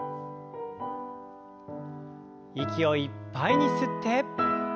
息をいっぱいに吸って。